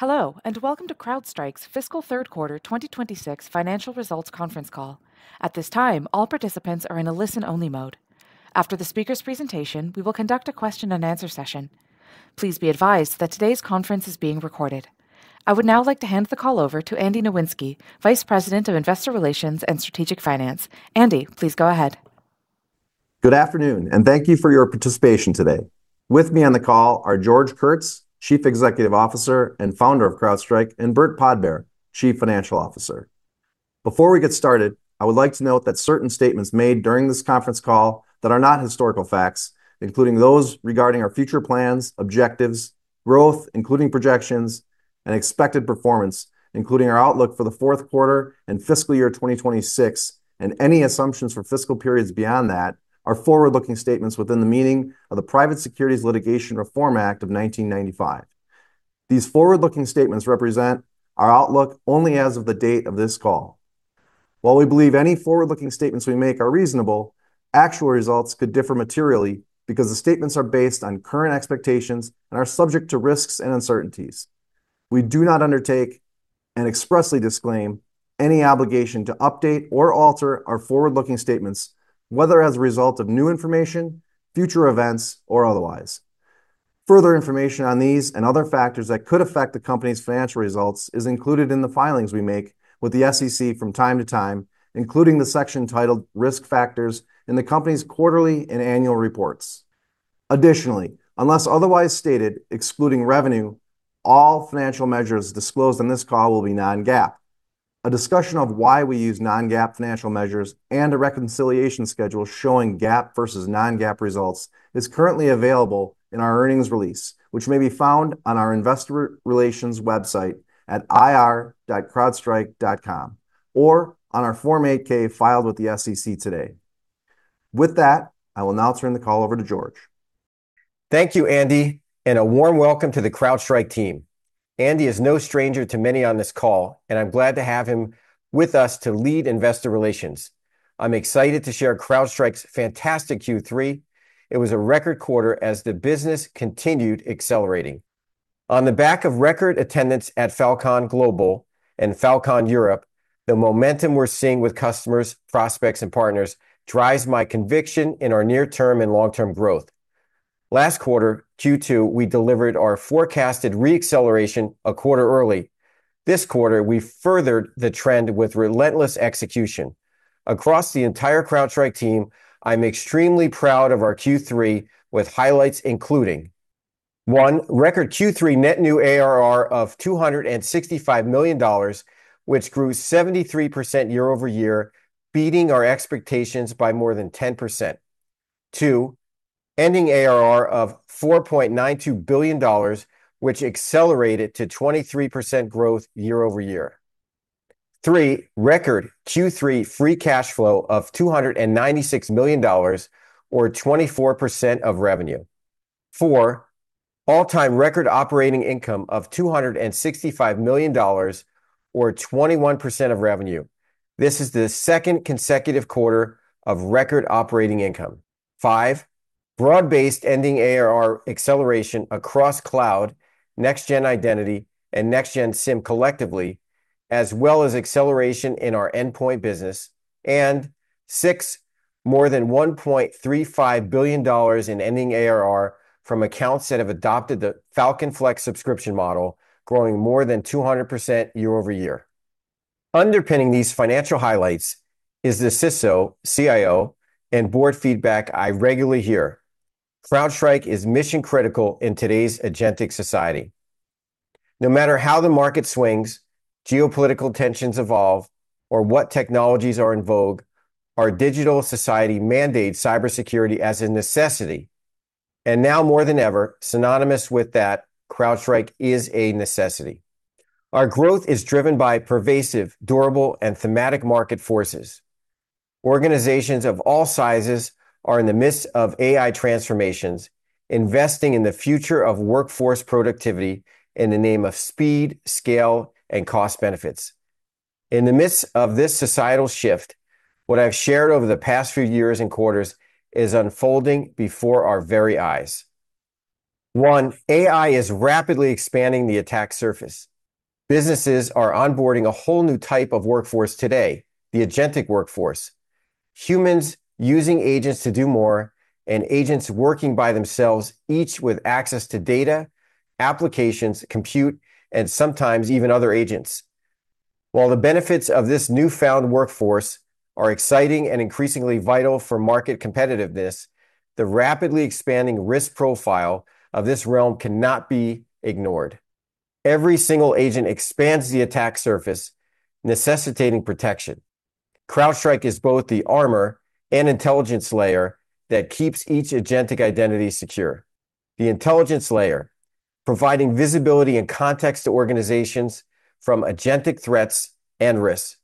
Hello, and welcome to CrowdStrike's fiscal third quarter 2026 financial results conference call. At this time, all participants are in a listen-only mode. After the speaker's presentation, we will conduct a question-and-answer session. Please be advised that today's conference is being recorded. I would now like to hand the call over to Andy Nowinski, Vice President of Investor Relations and Strategic Finance. Andy, please go ahead. Good afternoon, and thank you for your participation today. With me on the call are George Kurtz, Chief Executive Officer and Founder of CrowdStrike, and Burt Podbere, Chief Financial Officer. Before we get started, I would like to note that certain statements made during this conference call are not historical facts, including those regarding our future plans, objectives, growth, including projections, and expected performance, including our outlook for the fourth quarter and fiscal year 2026, and any assumptions for fiscal periods beyond that are forward-looking statements within the meaning of the Private Securities Litigation Reform Act of 1995. These forward-looking statements represent our outlook only as of the date of this call. While we believe any forward-looking statements we make are reasonable, actual results could differ materially because the statements are based on current expectations and are subject to risks and uncertainties. We do not undertake and expressly disclaim any obligation to update or alter our forward-looking statements, whether as a result of new information, future events, or otherwise. Further information on these and other factors that could affect the company's financial results is included in the filings we make with the SEC from time to time, including the section titled Risk Factors in the company's quarterly and annual reports. Additionally, unless otherwise stated, excluding revenue, all financial measures disclosed on this call will be non-GAAP. A discussion of why we use non-GAAP financial measures and a reconciliation schedule showing GAAP versus non-GAAP results is currently available in our earnings release, which may be found on our Investor Relations website at ir.crowdstrike.com or on our Form 8-K filed with the SEC today. With that, I will now turn the call over to George. Thank you, Andy, and a warm welcome to the CrowdStrike team. Andy is no stranger to many on this call, and I'm glad to have him with us to lead Investor Relations. I'm excited to share CrowdStrike's fantastic Q3. It was a record quarter as the business continued accelerating. On the back of record attendance at Falcon Global and Falcon Europe, the momentum we're seeing with customers, prospects, and partners drives my conviction in our near-term and long-term growth. Last quarter, Q2, we delivered our forecasted re-acceleration a quarter early. This quarter, we furthered the trend with relentless execution. Across the entire CrowdStrike team, I'm extremely proud of our Q3 with highlights including: One, record Q3 net new ARR of $265 million, which grew 73% year-over-year, beating our expectations by more than 10%. Two, ending ARR of $4.92 billion, which accelerated to 23% growth year-over-year. Three, record Q3 free cash flow of $296 million, or 24% of revenue. Four, all-time record operating income of $265 million, or 21% of revenue. This is the second consecutive quarter of record operating income. Five, broad-based ending ARR acceleration across cloud, next-gen identity, and next-gen SIEM collectively, as well as acceleration in our endpoint business. And six, more than $1.35 billion in ending ARR from accounts that have adopted the Falcon Flex subscription model, growing more than 200% year-over-year. Underpinning these financial highlights is the CISO, CIO, and board feedback I regularly hear. CrowdStrike is mission-critical in today's agentic society. No matter how the market swings, geopolitical tensions evolve, or what technologies are in vogue, our digital society mandates cybersecurity as a necessity. And now more than ever, synonymous with that, CrowdStrike is a necessity. Our growth is driven by pervasive, durable, and thematic market forces. Organizations of all sizes are in the midst of AI transformations, investing in the future of workforce productivity in the name of speed, scale, and cost benefits. In the midst of this societal shift, what I've shared over the past few years and quarters is unfolding before our very eyes. One, AI is rapidly expanding the attack surface. Businesses are onboarding a whole new type of workforce today, the agentic workforce. Humans using agents to do more and agents working by themselves, each with access to data, applications, compute, and sometimes even other agents. While the benefits of this newfound workforce are exciting and increasingly vital for market competitiveness, the rapidly expanding risk profile of this realm cannot be ignored. Every single agent expands the attack surface, necessitating protection. CrowdStrike is both the armor and intelligence layer that keeps each agentic identity secure. The intelligence layer, providing visibility and context to organizations from agentic threats and risks,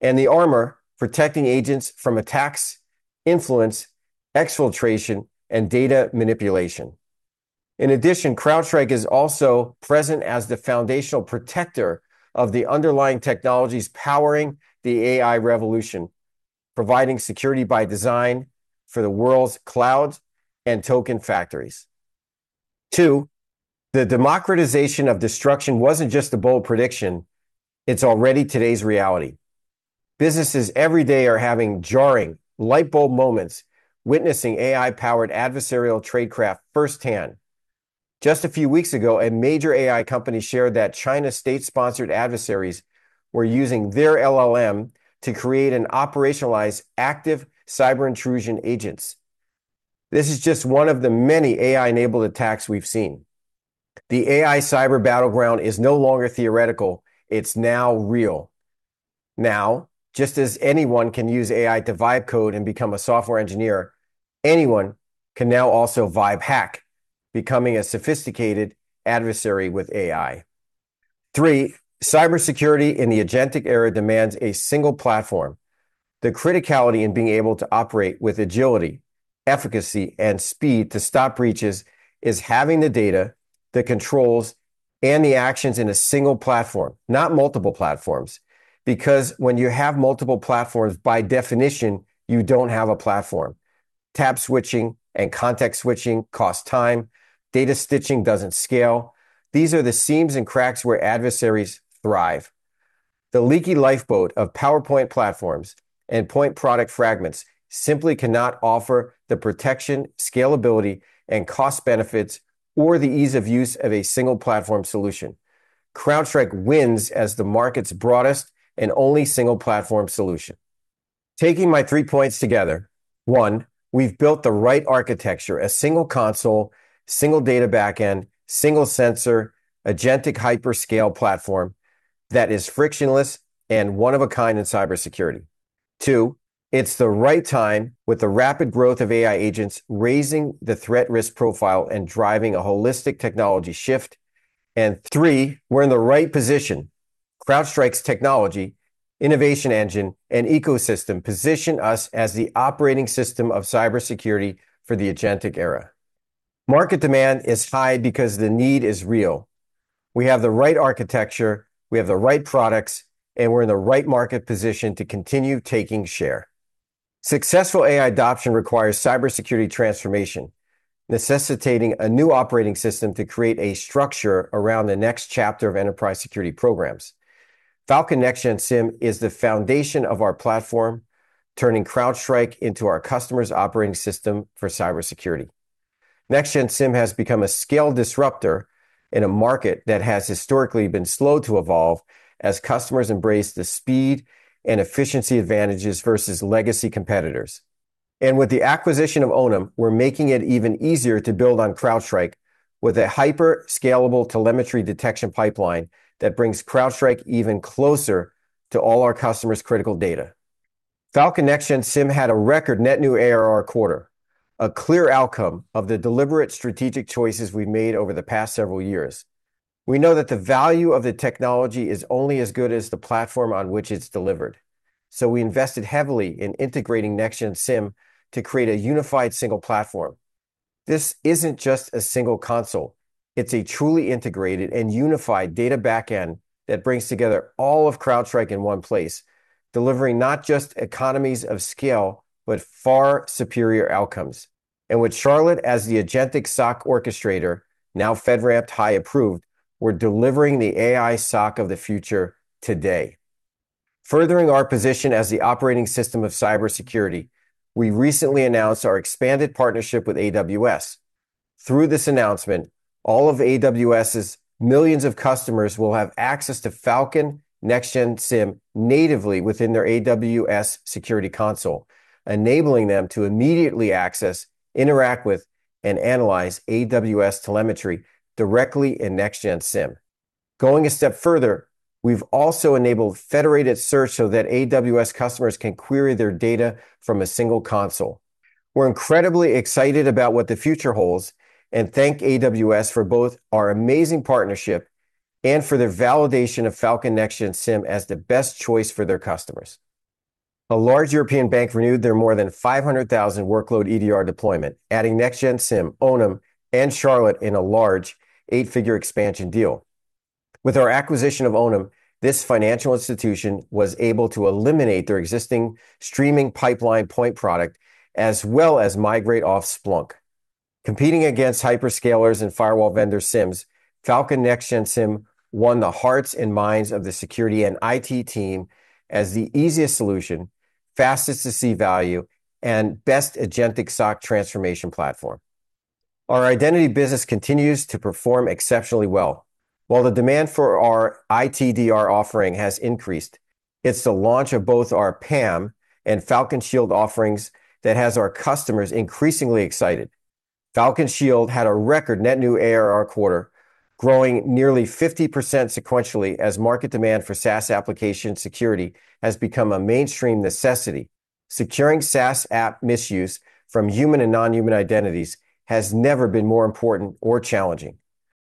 and the armor, protecting agents from attacks, influence, exfiltration, and data manipulation. In addition, CrowdStrike is also present as the foundational protector of the underlying technologies powering the AI revolution, providing security by design for the world's cloud and token factories. Two, the democratization of destruction wasn't just a bold prediction. It's already today's reality. Businesses every day are having jarring, lightbulb moments, witnessing AI-powered adversarial tradecraft firsthand. Just a few weeks ago, a major AI company shared that China state-sponsored adversaries were using their LLM to create and operationalize active cyber intrusion agents. This is just one of the many AI-enabled attacks we've seen. The AI cyber battleground is no longer theoretical. It's now real. Now, just as anyone can use AI to vibe code and become a software engineer, anyone can now also vibe hack, becoming a sophisticated adversary with AI. Three, cybersecurity in the agentic era demands a single platform. The criticality in being able to operate with agility, efficacy, and speed to stop breaches is having the data, the controls, and the actions in a single platform, not multiple platforms. Because when you have multiple platforms, by definition, you don't have a platform. Tab switching and context switching cost time. Data stitching doesn't scale. These are the seams and cracks where adversaries thrive. The leaky lifeboat of PowerPoint platforms and point product fragments simply cannot offer the protection, scalability, and cost benefits, or the ease of use of a single platform solution. CrowdStrike wins as the market's broadest and only single platform solution. Taking my three points together, one, we've built the right architecture, a single console, single data backend, single sensor, agentic hyperscale platform that is frictionless and one of a kind in cybersecurity. Two, it's the right time with the rapid growth of AI agents raising the threat risk profile and driving a holistic technology shift, and three, we're in the right position. CrowdStrike's technology, innovation engine, and ecosystem position us as the operating system of cybersecurity for the agentic era. Market demand is high because the need is real. We have the right architecture, we have the right products, and we're in the right market position to continue taking share. Successful AI adoption requires cybersecurity transformation, necessitating a new operating system to create a structure around the next chapter of enterprise security programs. Falcon Next-Gen SIEM is the foundation of our platform, turning CrowdStrike into our customer's operating system for cybersecurity. Next-Gen SIEM has become a scale disruptor in a market that has historically been slow to evolve as customers embrace the speed and efficiency advantages versus legacy competitors. And with the acquisition of Onum, we're making it even easier to build on CrowdStrike with a hyperscalable telemetry detection pipeline that brings CrowdStrike even closer to all our customers' critical data. Falcon Next-Gen SIEM had a record net new ARR quarter, a clear outcome of the deliberate strategic choices we've made over the past several years. We know that the value of the technology is only as good as the platform on which it's delivered. So we invested heavily in integrating Next-Gen SIEM to create a unified single platform. This isn't just a single console. It's a truly integrated and unified data backend that brings together all of CrowdStrike in one place, delivering not just economies of scale, but far superior outcomes, and with Charlotte as the agentic SOC orchestrator, now FedRAMP high approved, we're delivering the AI SOC of the future today. Furthering our position as the operating system of cybersecurity, we recently announced our expanded partnership with AWS. Through this announcement, all of AWS's millions of customers will have access to Falcon Next-Gen SIEM natively within their AWS security console, enabling them to immediately access, interact with, and analyze AWS telemetry directly in Next-Gen SIEM. Going a step further, we've also enabled federated search so that AWS customers can query their data from a single console. We're incredibly excited about what the future holds and thank AWS for both our amazing partnership and for the validation of Falcon Next-Gen SIEM as the best choice for their customers. A large European bank renewed their more than 500,000 workload EDR deployment, adding Next-Gen SIEM, Onum, and Charlotte in a large eight-figure expansion deal. With our acquisition of Onum, this financial institution was able to eliminate their existing streaming pipeline point product as well as migrate off Splunk. Competing against hyperscalers and firewall vendor SIEMs, Falcon Next-Gen SIEM won the hearts and minds of the security and IT team as the easiest solution, fastest to see value, and best agentic SOC transformation platform. Our identity business continues to perform exceptionally well. While the demand for our ITDR offering has increased, it's the launch of both our PAM and Falcon Shield offerings that has our customers increasingly excited. Falcon Shield had a record net new ARR quarter, growing nearly 50% sequentially as market demand for SaaS application security has become a mainstream necessity. Securing SaaS app misuse from human and non-human identities has never been more important or challenging.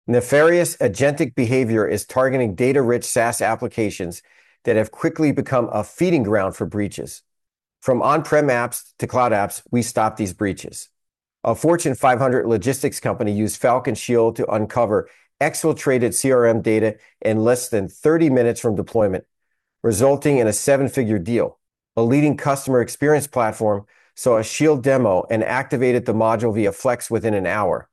Nefarious agentic behavior is targeting data-rich SaaS applications that have quickly become a feeding ground for breaches. From on-prem apps to cloud apps, we stopped these breaches. A Fortune 500 logistics company used Falcon Shield to uncover exfiltrated CRM data in less than 30 minutes from deployment, resulting in a seven-figure deal. A leading customer experience platform saw a shield demo and activated the module via Flex within an hour.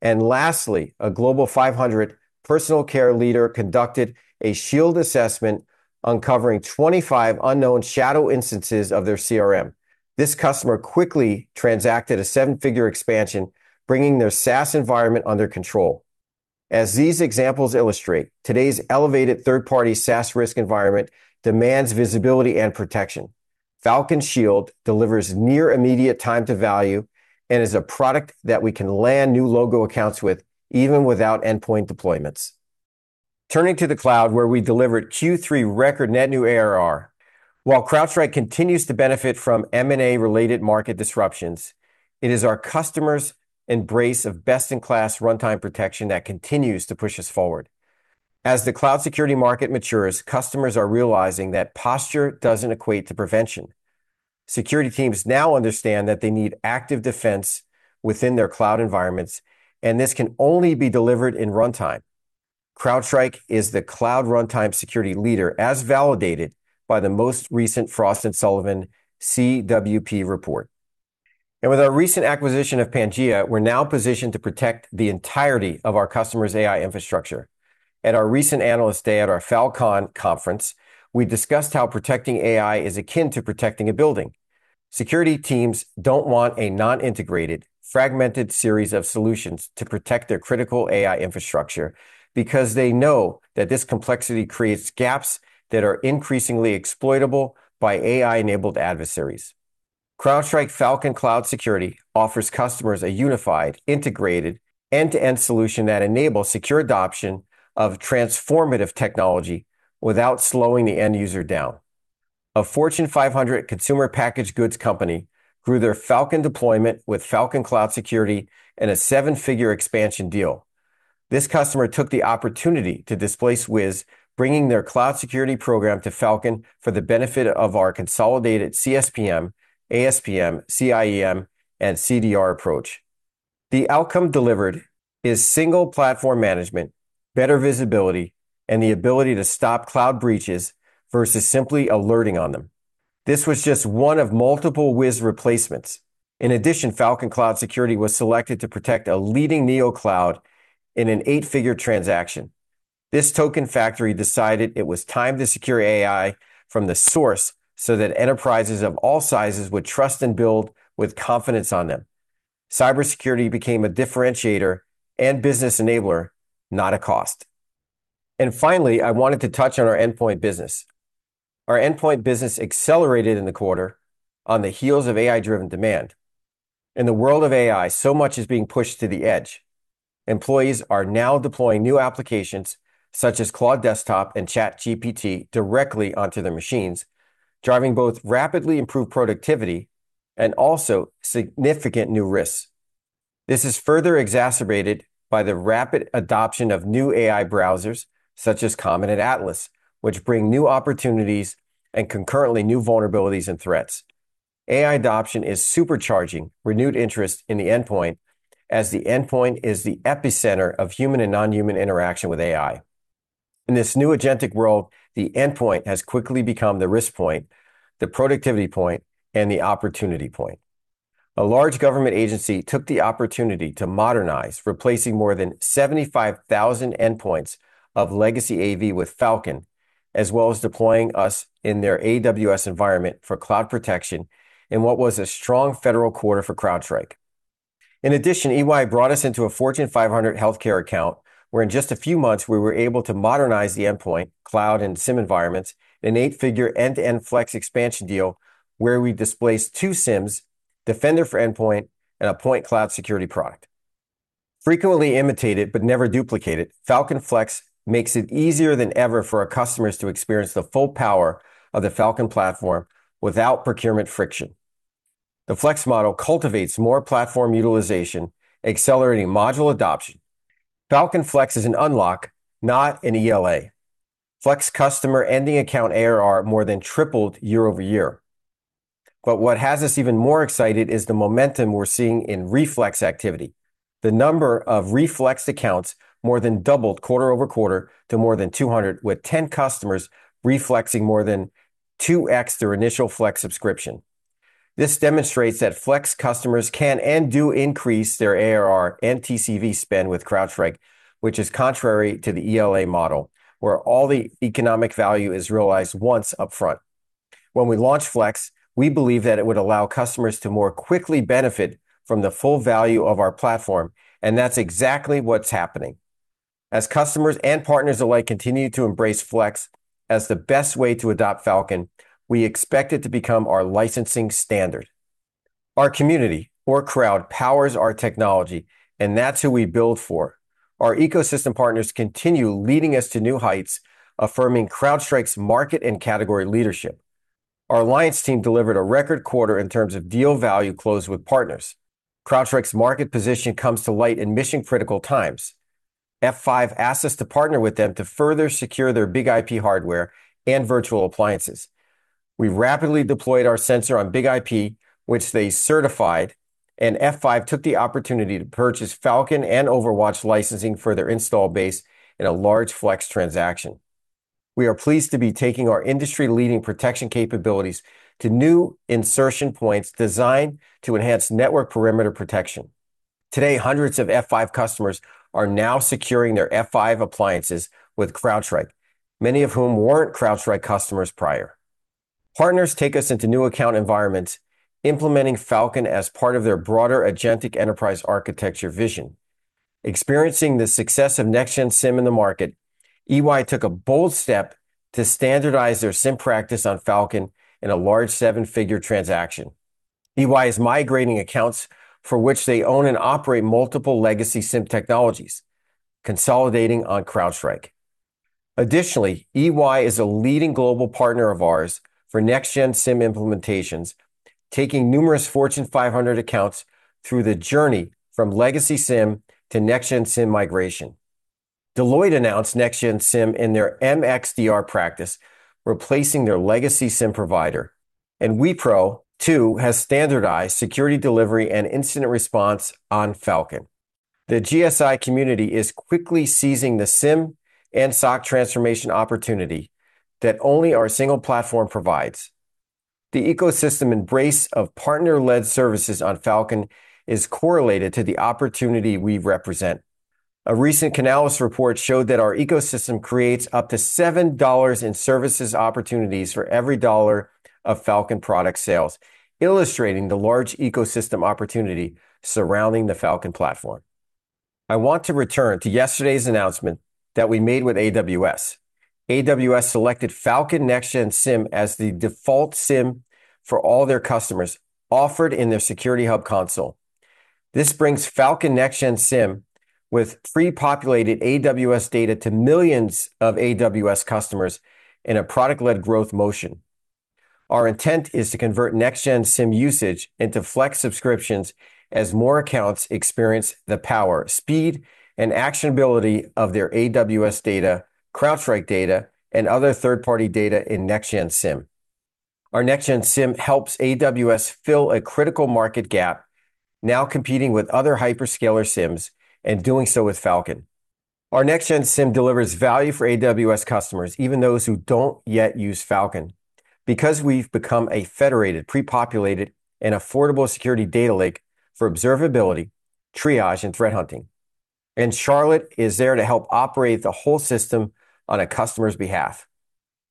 And lastly, a Global 500 personal care leader conducted a shield assessment uncovering 25 unknown shadow instances of their CRM. This customer quickly transacted a seven-figure expansion, bringing their SaaS environment under control. As these examples illustrate, today's elevated third-party SaaS risk environment demands visibility and protection. Falcon Shield delivers near immediate time to value and is a product that we can land new logo accounts with even without endpoint deployments. Turning to the cloud where we delivered Q3 record net new ARR. While CrowdStrike continues to benefit from M&A-related market disruptions, it is our customers' embrace of best-in-class runtime protection that continues to push us forward. As the cloud security market matures, customers are realizing that posture doesn't equate to prevention. Security teams now understand that they need active defense within their cloud environments, and this can only be delivered in runtime. CrowdStrike is the cloud runtime security leader as validated by the most recent Frost & Sullivan CWP report, and with our recent acquisition of Pangea, we're now positioned to protect the entirety of our customers' AI infrastructure. At our recent analyst day at our Falcon conference, we discussed how protecting AI is akin to protecting a building. Security teams don't want a non-integrated, fragmented series of solutions to protect their critical AI infrastructure because they know that this complexity creates gaps that are increasingly exploitable by AI-enabled adversaries. CrowdStrike Falcon Cloud Security offers customers a unified, integrated, end-to-end solution that enables secure adoption of transformative technology without slowing the end user down. A Fortune 500 consumer packaged goods company grew their Falcon deployment with Falcon Cloud Security and a seven-figure expansion deal. This customer took the opportunity to displace Wiz, bringing their cloud security program to Falcon for the benefit of our consolidated CSPM, ASPM, CIEM, and CDR approach. The outcome delivered is single platform management, better visibility, and the ability to stop cloud breaches versus simply alerting on them. This was just one of multiple Wiz replacements. In addition, Falcon Cloud Security was selected to protect a leading NeoCloud in an eight-figure transaction. This token factory decided it was time to secure AI from the source so that enterprises of all sizes would trust and build with confidence on them. Cybersecurity became a differentiator and business enabler, not a cost. Finally, I wanted to touch on our endpoint business. Our endpoint business accelerated in the quarter on the heels of AI-driven demand. In the world of AI, so much is being pushed to the edge. Employees are now deploying new applications such as Claude Desktop and ChatGPT directly onto their machines, driving both rapidly improved productivity and also significant new risks. This is further exacerbated by the rapid adoption of new AI browsers such as Common and Atlas, which bring new opportunities and concurrently new vulnerabilities and threats. AI adoption is supercharging renewed interest in the endpoint as the endpoint is the epicenter of human and non-human interaction with AI. In this new agentic world, the endpoint has quickly become the risk point, the productivity point, and the opportunity point. A large government agency took the opportunity to modernize, replacing more than 75,000 endpoints of legacy AV with Falcon, as well as deploying us in their AWS environment for cloud protection in what was a strong federal quarter for CrowdStrike. In addition, EY brought us into a Fortune 500 healthcare account where in just a few months we were able to modernize the endpoint, cloud, and SIM environments in an eight-figure end-to-end Flex expansion deal where we displaced two SIMs, Defender for Endpoint, and a point cloud security product. Frequently imitated but never duplicated, Falcon Flex makes it easier than ever for our customers to experience the full power of the Falcon platform without procurement friction. The Flex model cultivates more platform utilization, accelerating module adoption. Falcon Flex is an unlock, not an ELA. Flex customer ending account ARR more than tripled year-over-year. But what has us even more excited is the momentum we're seeing in re-Flex activity. The number of re-Flex accounts more than doubled quarter-over-quarter to more than 200, with 10 customers re-Flexing more than 2x their initial Flex subscription. This demonstrates that Flex customers can and do increase their ARR and TCV spend with CrowdStrike, which is contrary to the ELA model where all the economic value is realized once upfront. When we launched Flex, we believed that it would allow customers to more quickly benefit from the full value of our platform, and that's exactly what's happening. As customers and partners alike continue to embrace Flex as the best way to adopt Falcon, we expect it to become our licensing standard. Our community or crowd powers our technology, and that's who we build for. Our ecosystem partners continue leading us to new heights, affirming CrowdStrike's market and category leadership. Our alliance team delivered a record quarter in terms of deal value closed with partners. CrowdStrike's market position comes to light in mission-critical times. F5 asked us to partner with them to further secure their BIG-IP hardware and virtual appliances. We rapidly deployed our sensor on BIG-IP, which they certified, and F5 took the opportunity to purchase Falcon and OverWatch licensing for their installed base in a large Flex transaction. We are pleased to be taking our industry-leading protection capabilities to new insertion points designed to enhance network perimeter protection. Today, hundreds of F5 customers are now securing their F5 appliances with CrowdStrike, many of whom weren't CrowdStrike customers prior. Partners take us into new account environments, implementing Falcon as part of their broader agentic enterprise architecture vision. Experiencing the success of Next-Gen SIEM in the market, EY took a bold step to standardize their SIEM practice on Falcon in a large seven-figure transaction. EY is migrating accounts for which they own and operate multiple legacy SIEM technologies, consolidating on CrowdStrike. Additionally, EY is a leading global partner of ours for Next-Gen SIEM implementations, taking numerous Fortune 500 accounts through the journey from legacy SIEM to Next-Gen SIEM migration. Deloitte announced Next-Gen SIEM in their MXDR practice, replacing their legacy SIEM provider, and Wipro, too, has standardized security delivery and incident response on Falcon. The GSI community is quickly seizing the SIEM and SOC transformation opportunity that only our single platform provides. The ecosystem embrace of partner-led services on Falcon is correlated to the opportunity we represent. A recent Canalys report showed that our ecosystem creates up to $7 in services opportunities for every dollar of Falcon product sales, illustrating the large ecosystem opportunity surrounding the Falcon platform. I want to return to yesterday's announcement that we made with AWS. AWS selected Falcon Next-Gen SIEM as the default SIEM for all their customers offered in their Security Hub console. This brings Falcon Next-Gen SIEM with pre-populated AWS data to millions of AWS customers in a product-led growth motion. Our intent is to convert Next-Gen SIEM usage into Flex subscriptions as more accounts experience the power, speed, and actionability of their AWS data, CrowdStrike data, and other third-party data in Next-Gen SIEM. Our Next-Gen SIEM helps AWS fill a critical market gap, now competing with other hyperscaler SIEMs and doing so with Falcon. Our Next-Gen SIEM delivers value for AWS customers, even those who don't yet use Falcon, because we've become a federated, pre-populated, and affordable security data lake for observability, triage, and threat hunting, and Charlotte is there to help operate the whole system on a customer's behalf.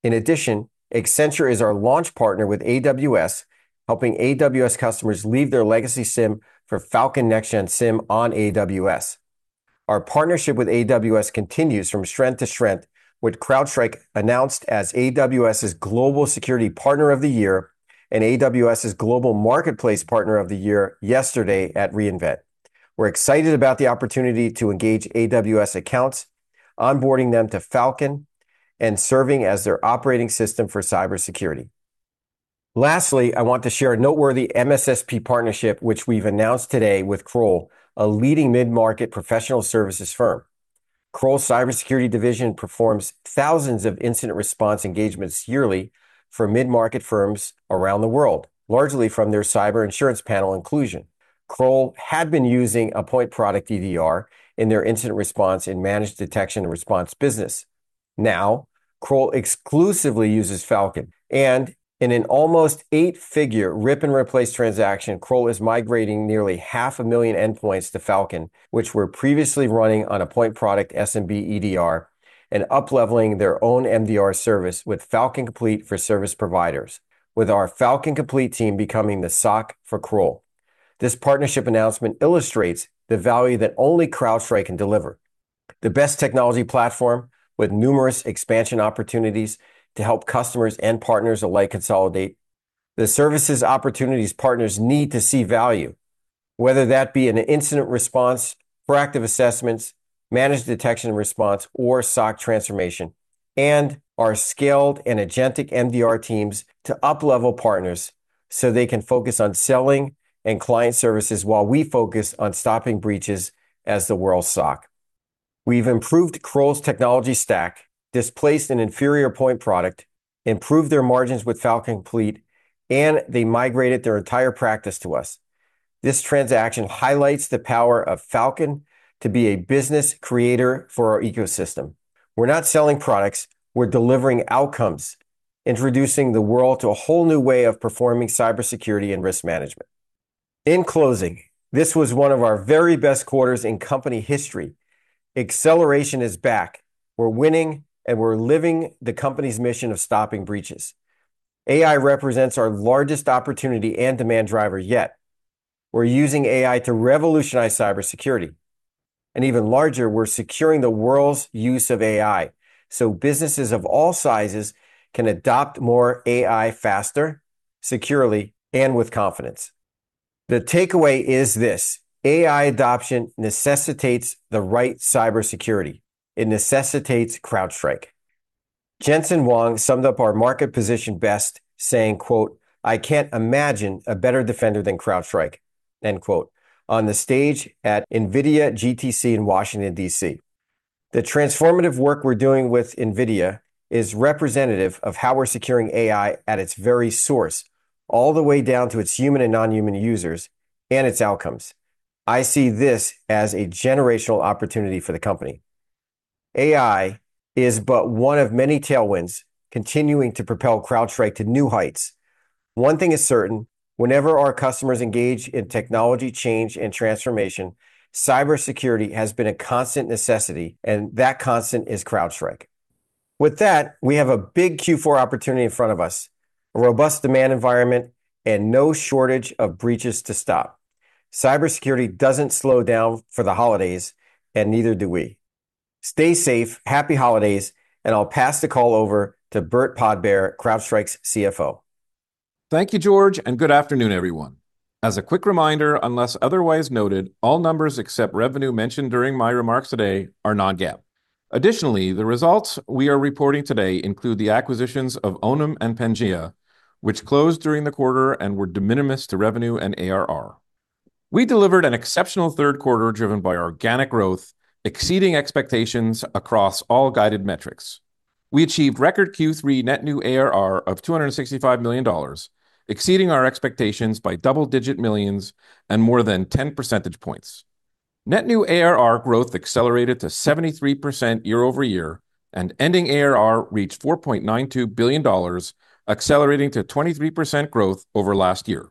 In addition, Accenture is our launch partner with AWS, helping AWS customers leave their legacy SIEM for Falcon Next-Gen SIEM on AWS. Our partnership with AWS continues from strength to strength, with CrowdStrike announced as AWS's Global Security Partner of the Year and AWS's Global Marketplace Partner of the Year yesterday at re:Invent. We're excited about the opportunity to engage AWS accounts, onboarding them to Falcon, and serving as their operating system for cybersecurity. Lastly, I want to share a noteworthy MSSP partnership, which we've announced today with Kroll, a leading mid-market professional services firm. Kroll's cybersecurity division performs thousands of incident response engagements yearly for mid-market firms around the world, largely from their cyber insurance panel inclusion. Kroll had been using a point product EDR in their incident response and managed detection and response business. Now, Kroll exclusively uses Falcon. And in an almost eight-figure rip and replace transaction, Kroll is migrating nearly 500,000 endpoints to Falcon, which were previously running on a point product SMB EDR, and upleveling their own MDR service with Falcon Complete for service providers, with our Falcon Complete team becoming the SOC for Kroll. This partnership announcement illustrates the value that only CrowdStrike can deliver. The best technology platform with numerous expansion opportunities to help customers and partners alike consolidate. The services opportunities partners need to see value, whether that be an incident response, proactive assessments, managed detection and response, or SOC transformation, and our skilled and agentic MDR teams to uplevel partners so they can focus on selling and client services while we focus on stopping breaches as the world SOC. We've improved Kroll's technology stack, displaced an inferior point product, improved their margins with Falcon Complete, and they migrated their entire practice to us. This transaction highlights the power of Falcon to be a business creator for our ecosystem. We're not selling products. We're delivering outcomes, introducing the world to a whole new way of performing cybersecurity and risk management. In closing, this was one of our very best quarters in company history. Acceleration is back. We're winning, and we're living the company's mission of stopping breaches. AI represents our largest opportunity and demand driver yet. We're using AI to revolutionize cybersecurity, and even larger, we're securing the world's use of AI so businesses of all sizes can adopt more AI faster, securely, and with confidence. The takeaway is this: AI adoption necessitates the right cybersecurity. It necessitates CrowdStrike. Jensen Huang summed up our market position best, saying, "I can't imagine a better defender than CrowdStrike," on the stage at NVIDIA GTC in Washington, D.C. The transformative work we're doing with NVIDIA is representative of how we're securing AI at its very source, all the way down to its human and non-human users and its outcomes. I see this as a generational opportunity for the company. AI is but one of many tailwinds continuing to propel CrowdStrike to new heights. One thing is certain: whenever our customers engage in technology change and transformation, cybersecurity has been a constant necessity, and that constant is CrowdStrike. With that, we have a big Q4 opportunity in front of us, a robust demand environment, and no shortage of breaches to stop. Cybersecurity doesn't slow down for the holidays, and neither do we. Stay safe, happy holidays, and I'll pass the call over to Burt Podbere, CrowdStrike's CFO. Thank you, George, and good afternoon, everyone. As a quick reminder, unless otherwise noted, all numbers except revenue mentioned during my remarks today are non-GAAP. Additionally, the results we are reporting today include the acquisitions of Onum and Pangea, which closed during the quarter and were de minimis to revenue and ARR. We delivered an exceptional third quarter driven by organic growth, exceeding expectations across all guided metrics. We achieved record Q3 net new ARR of $265 million, exceeding our expectations by double-digit millions and more than 10 percentage points. Net new ARR growth accelerated to 73% year-over-year, and ending ARR reached $4.92 billion, accelerating to 23% growth over last year.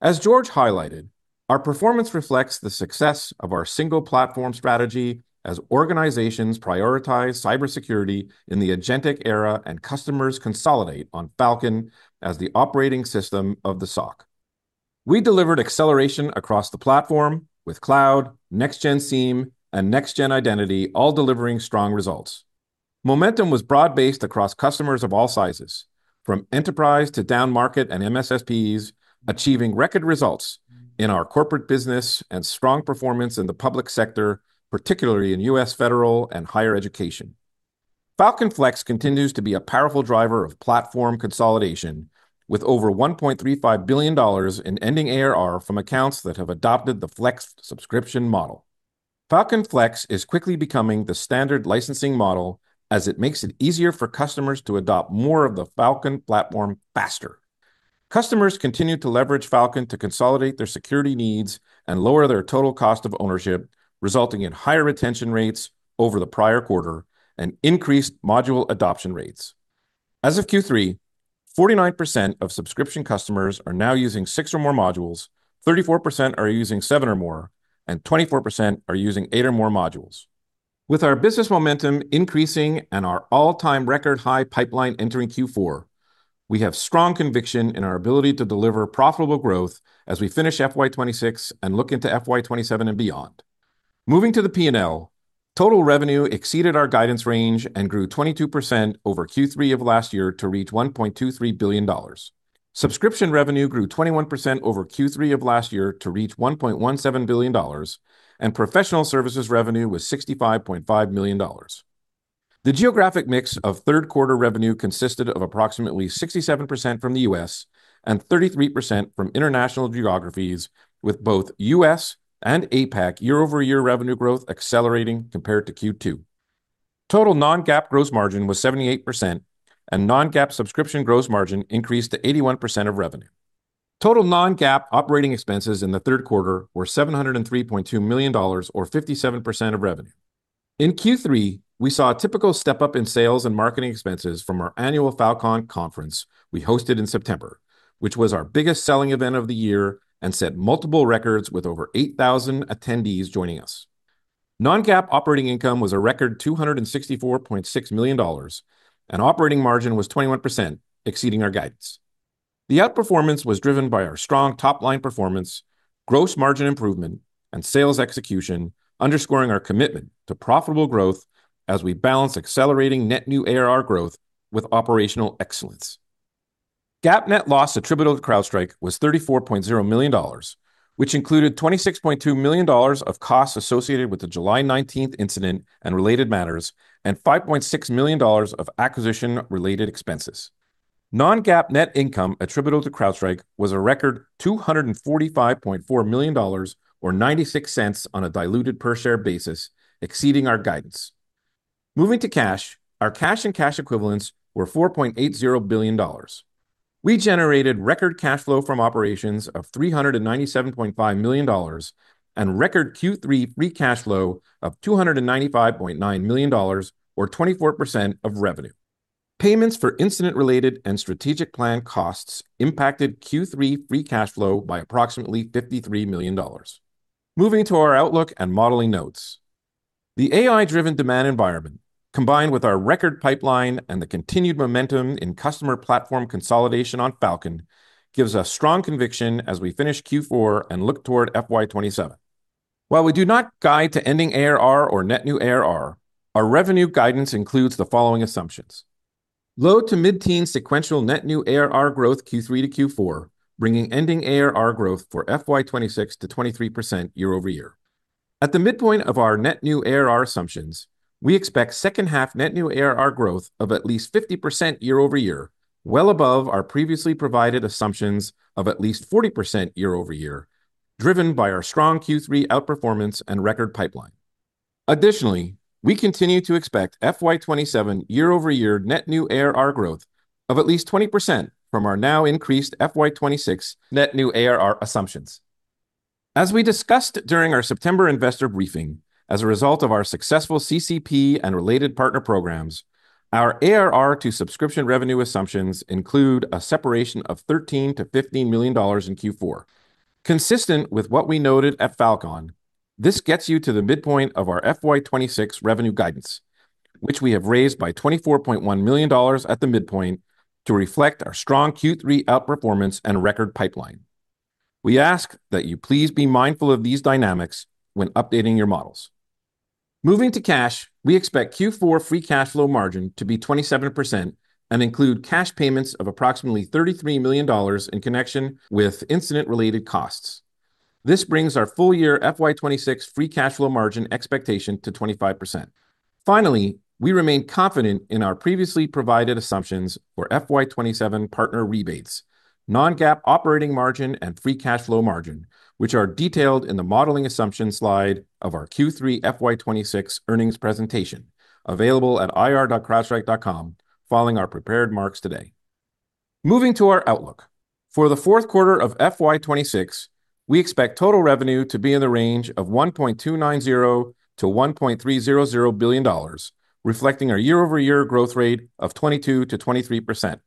As George highlighted, our performance reflects the success of our single platform strategy as organizations prioritize cybersecurity in the agentic era and customers consolidate on Falcon as the operating system of the SOC. We delivered acceleration across the platform with Cloud, Next-Gen SIEM, and Next-Gen Identity, all delivering strong results. Momentum was broad-based across customers of all sizes, from enterprise to down market and MSSPs, achieving record results in our corporate business and strong performance in the public sector, particularly in U.S. federal and higher education. Falcon Flex continues to be a powerful driver of platform consolidation, with over $1.35 billion in ending ARR from accounts that have adopted the Flex subscription model. Falcon Flex is quickly becoming the standard licensing model as it makes it easier for customers to adopt more of the Falcon platform faster. Customers continue to leverage Falcon to consolidate their security needs and lower their total cost of ownership, resulting in higher retention rates over the prior quarter and increased module adoption rates. As of Q3, 49% of subscription customers are now using six or more modules, 34% are using seven or more, and 24% are using eight or more modules. With our business momentum increasing and our all-time record high pipeline entering Q4, we have strong conviction in our ability to deliver profitable growth as we finish FY26 and look into FY27 and beyond. Moving to the P&L, total revenue exceeded our guidance range and grew 22% over Q3 of last year to reach $1.23 billion. Subscription revenue grew 21% over Q3 of last year to reach $1.17 billion, and professional services revenue was $65.5 million. The geographic mix of third quarter revenue consisted of approximately 67% from the U.S. and 33% from international geographies, with both U.S. and APAC year-over-year revenue growth accelerating compared to Q2. Total non-GAAP gross margin was 78%, and non-GAAP subscription gross margin increased to 81% of revenue. Total non-GAAP operating expenses in the third quarter were $703.2 million, or 57% of revenue. In Q3, we saw a typical step-up in sales and marketing expenses from our annual Falcon Conference we hosted in September, which was our biggest selling event of the year and set multiple records with over 8,000 attendees joining us. Non-GAAP operating income was a record $264.6 million, and operating margin was 21%, exceeding our guidance. The outperformance was driven by our strong top-line performance, gross margin improvement, and sales execution, underscoring our commitment to profitable growth as we balance accelerating net new ARR growth with operational excellence. GAAP net loss attributable to CrowdStrike was $34.0 million, which included $26.2 million of costs associated with the July 19 incident and related matters and $5.6 million of acquisition-related expenses. Non-GAAP net income attributable to CrowdStrike was a record $245.4 million, or $0.96 on a diluted per-share basis, exceeding our guidance. Moving to cash, our cash and cash equivalents were $4.80 billion. We generated record cash flow from operations of $397.5 million and record Q3 free cash flow of $295.9 million, or 24% of revenue. Payments for incident-related and strategic plan costs impacted Q3 free cash flow by approximately $53 million. Moving to our outlook and modeling notes. The AI-driven demand environment, combined with our record pipeline and the continued momentum in customer platform consolidation on Falcon, gives us strong conviction as we finish Q4 and look toward FY 2027. While we do not guide to ending ARR or net new ARR, our revenue guidance includes the following assumptions: low to mid-teen sequential net new ARR growth Q3 to Q4, bringing ending ARR growth for FY26 to 23% year-over-year. At the midpoint of our net new ARR assumptions, we expect second-half net new ARR growth of at least 50% year-over-year, well above our previously provided assumptions of at least 40% year-over-year, driven by our strong Q3 outperformance and record pipeline. Additionally, we continue to expect FY 2027 year-over-year net new ARR growth of at least 20% from our now increased FY 2026 net new ARR assumptions. As we discussed during our September investor briefing, as a result of our successful CCP and related partner programs, our ARR to subscription revenue assumptions include a separation of $13 million-$15 million in Q4. Consistent with what we noted at Falcon, this gets you to the midpoint of our FY 2026 revenue guidance, which we have raised by $24.1 million at the midpoint to reflect our strong Q3 outperformance and record pipeline. We ask that you please be mindful of these dynamics when updating your models. Moving to cash, we expect Q4 free cash flow margin to be 27% and include cash payments of approximately $33 million in connection with incident-related costs. This brings our full-year FY 2026 free cash flow margin expectation to 25%. Finally, we remain confident in our previously provided assumptions for FY 2027 partner rebates, non-GAAP operating margin, and free cash flow margin, which are detailed in the modeling assumption slide of our Q3 FY 2026 earnings presentation, available at ir.crowdstrike.com, following our prepared remarks today. Moving to our outlook. For the fourth quarter of FY 2026, we expect total revenue to be in the range of $1.290 billion-$1.300 billion, reflecting our year-over-year growth rate of 22%-23%.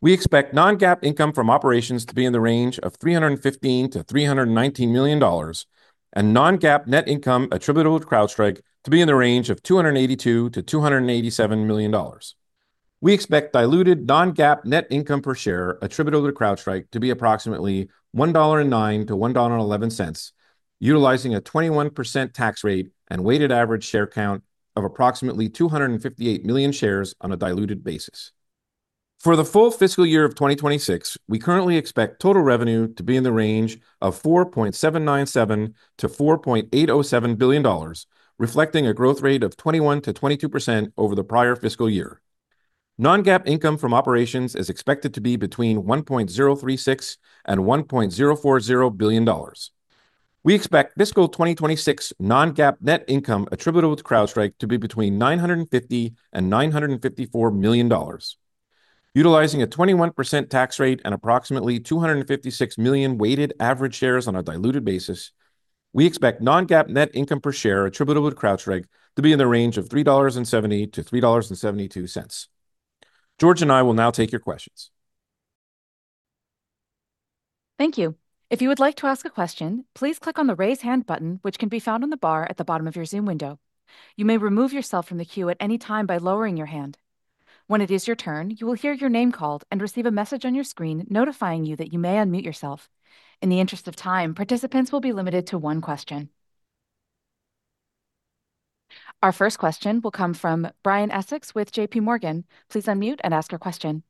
We expect non-GAAP income from operations to be in the range of $315 million-$319 million, and non-GAAP net income attributable to CrowdStrike to be in the range of $282 million-$287 million. We expect diluted non-GAAP net income per share attributable to CrowdStrike to be approximately $1.09-$1.11, utilizing a 21% tax rate and weighted average share count of approximately 258 million shares on a diluted basis. For the full fiscal year of 2026, we currently expect total revenue to be in the range of $4.797 billion-$4.807 billion, reflecting a growth rate of 21%-22% over the prior fiscal year. Non-GAAP income from operations is expected to be between $1.036 billion and $1.040 billion. We expect fiscal 2026 non-GAAP net income attributable to CrowdStrike to be between $950 million-$954 million. Utilizing a 21% tax rate and approximately 256 million weighted average shares on a diluted basis, we expect non-GAAP net income per share attributable to CrowdStrike to be in the range of $3.70-$3.72. George and I will now take your questions. Thank you. If you would like to ask a question, please click on the raise hand button, which can be found on the bar at the bottom of your Zoom window. You may remove yourself from the queue at any time by lowering your hand. When it is your turn, you will hear your name called and receive a message on your screen notifying you that you may unmute yourself. In the interest of time, participants will be limited to one question. Our first question will come from Brian Essex with J.P. Morgan. Please unmute and ask your question.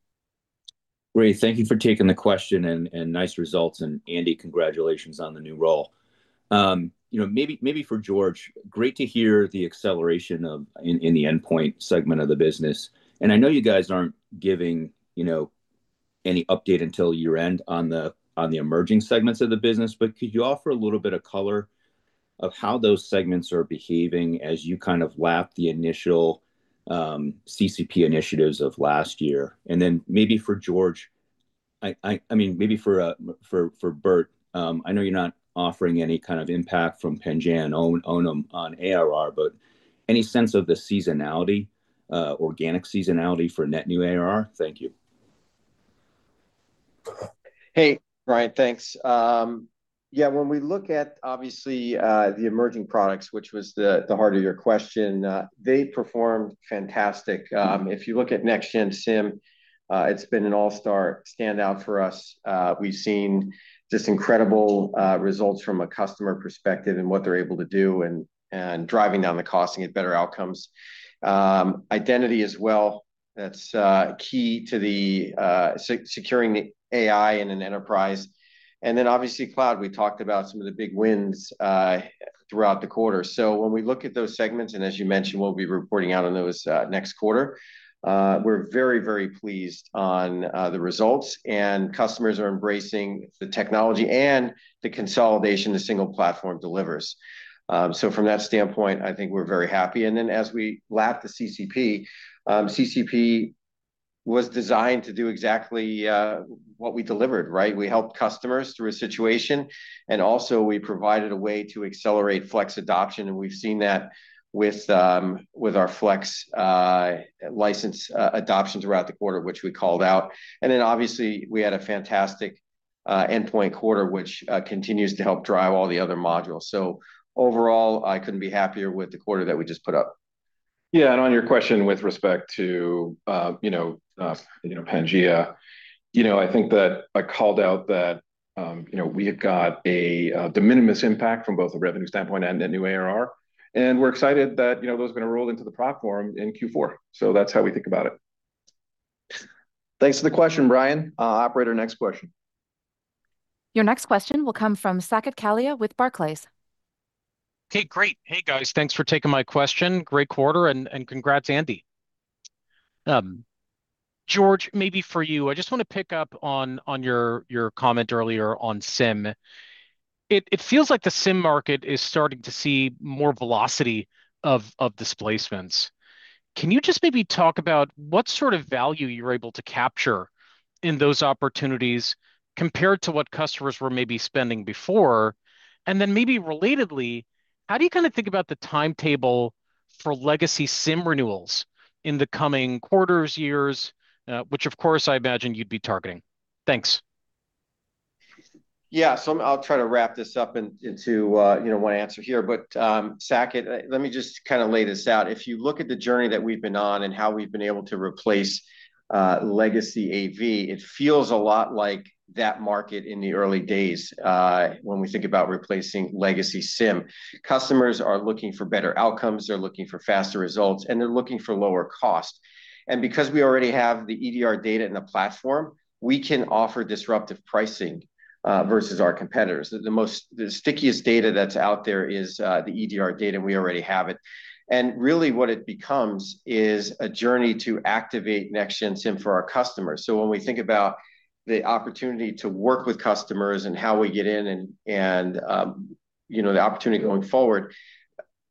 Great. Thank you for taking the question and nice results. And Andy, congratulations on the new role. You know, maybe for George, great to hear the acceleration in the endpoint segment of the business. And I know you guys aren't giving any update until year-end on the emerging segments of the business, but could you offer a little bit of color on how those segments are behaving as you kind of wrap the initial CCP initiatives of last year? And then maybe for George, I mean, maybe for Burt, I know you're not offering any kind of impact from Pangea and Onum on ARR, but any sense of the seasonality, organic seasonality for net new ARR? Thank you. Hey, Brian, thanks. Yeah, when we look at, obviously, the emerging products, which was the heart of your question, they performed fantastic. If you look at Next-Gen SIEM, it's been an all-star standout for us. We've seen just incredible results from a customer perspective and what they're able to do and driving down the cost and get better outcomes. Identity as well, that's key to securing the AI in an enterprise. And then, obviously, cloud, we talked about some of the big wins throughout the quarter. So when we look at those segments, and as you mentioned, we'll be reporting out on those next quarter, we're very, very pleased on the results. And customers are embracing the technology and the consolidation the single platform delivers. So from that standpoint, I think we're very happy. And then as we wrap the CCP, CCP was designed to do exactly what we delivered, right? We helped customers through a situation, and also we provided a way to accelerate Flex adoption. And we've seen that with our Flex license adoption throughout the quarter, which we called out. And then, obviously, we had a fantastic endpoint quarter, which continues to help drive all the other modules. So overall, I couldn't be happier with the quarter that we just put up. Yeah, and on your question with respect to Pangea, I think that I called out that we have got a de minimis impact from both the revenue standpoint and net new ARR. And we're excited that those are going to roll into the platform in Q4. So that's how we think about it. Thanks for the question, Brian. Operator, our next question. Your next question will come from Saket Kalia with Barclays. Okay, great. Hey, guys, thanks for taking my question. Great quarter, and congrats, Andy. George, maybe for you, I just want to pick up on your comment earlier on SIEM. It feels like the SIM market is starting to see more velocity of displacements. Can you just maybe talk about what sort of value you're able to capture in those opportunities compared to what customers were maybe spending before? And then maybe relatedly, how do you kind of think about the timetable for legacy SIEM renewals in the coming quarters, years, which, of course, I imagine you'd be targeting? Thanks. Yeah, so I'll try to wrap this up into one answer here. But Saket, let me just kind of lay this out. If you look at the journey that we've been on and how we've been able to replace legacy AV, it feels a lot like that market in the early days when we think about replacing legacy SIEM. Customers are looking for better outcomes. They're looking for faster results, and they're looking for lower cost. And because we already have the EDR data in the platform, we can offer disruptive pricing versus our competitors. The stickiest data that's out there is the EDR data, and we already have it. And really, what it becomes is a journey to activate Next-Gen SIEM for our customers. So when we think about the opportunity to work with customers and how we get in and the opportunity going forward,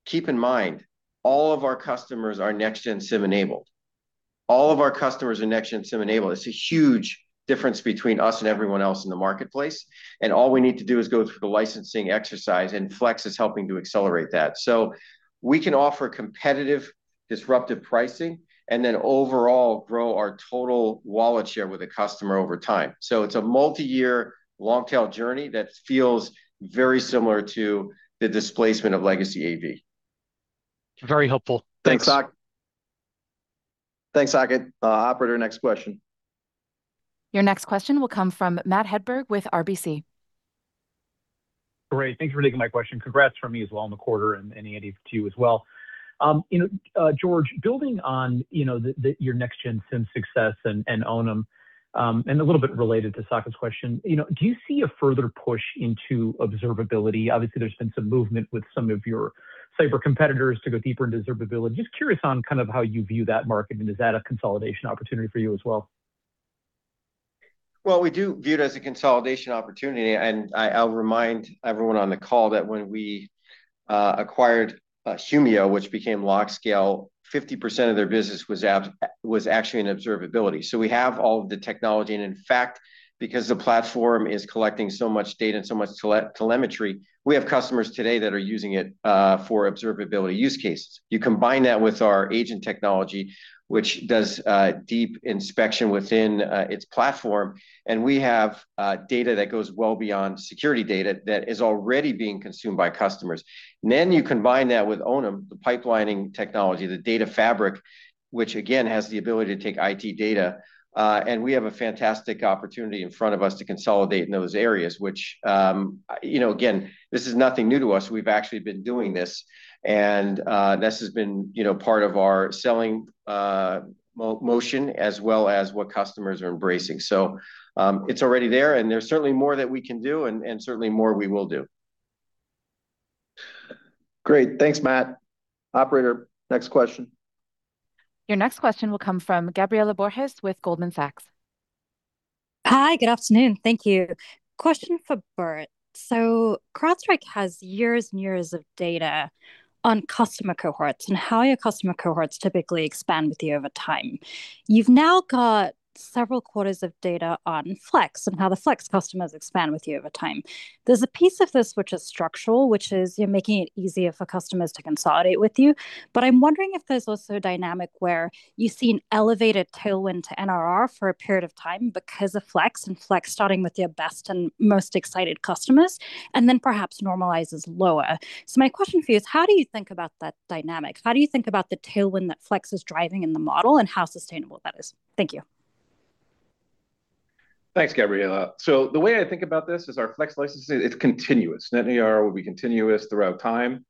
keep in mind, all of our customers are Next-Gen SIEM enabled. All of our customers are Next-Gen SIEM enabled. It's a huge difference between us and everyone else in the marketplace. And all we need to do is go through the licensing exercise, and Flex is helping to accelerate that. So we can offer competitive, disruptive pricing, and then overall grow our total wallet share with a customer over time. So it's a multi-year, long-tail journey that feels very similar to the displacement of legacy AV. Very helpful. Thanks. Thanks, Saket. Operator, next question. Your next question will come from Matt Hedberg with RBC. Great. Thanks for taking my question. Congrats from me as well on the quarter, and Andy, to you as well. George, building on your Next-Gen SIEM success and Onum, and a little bit related to Saket's question, do you see a further push into observability? Obviously, there's been some movement with some of your cyber competitors to go deeper into observability. Just curious on kind of how you view that market, and is that a consolidation opportunity for you as well? Well, we do view it as a consolidation opportunity. I'll remind everyone on the call that when we acquired Humio, which became LogScale, 50% of their business was actually in observability. So we have all of the technology. In fact, because the platform is collecting so much data and so much telemetry, we have customers today that are using it for observability use cases. You combine that with our agent technology, which does deep inspection within its platform, and we have data that goes well beyond security data that is already being consumed by customers. Then you combine that with Onum, the pipelining technology, the data fabric, which again has the ability to take IT data. We have a fantastic opportunity in front of us to consolidate in those areas, which, again, this is nothing new to us. We've actually been doing this, and this has been part of our selling motion as well as what customers are embracing. So it's already there, and there's certainly more that we can do, and certainly more we will do. Great. Thanks, Matt. Operator, next question. Your next question will come from Gabriela Borges with Goldman Sachs. Hi, good afternoon. Thank you. Question for Burt. So CrowdStrike has years and years of data on customer cohorts and how your customer cohorts typically expand with you over time. You've now got several quarters of data on Flex and how the Flex customers expand with you over time. There's a piece of this which is structural, which is making it easier for customers to consolidate with you. But I'm wondering if there's also a dynamic where you've seen elevated tailwind to NRR for a period of time because of Flex and Flex starting with your best and most excited customers, and then perhaps normalizes lower. So my question for you is, how do you think about that dynamic? How do you think about the tailwind that Flex is driving in the model and how sustainable that is? Thank you. Thanks, Gabriela. So the way I think about this is our Flex licensing, it's continuous. Net ARR will be continuous throughout time.